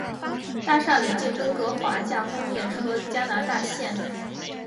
大厦邻近温哥华架空列车加拿大线的。